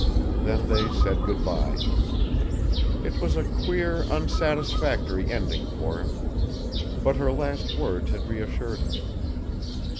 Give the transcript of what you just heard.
Then they said good bye. It was a queer unsatisfactory ending for him, but her last words had reassured him.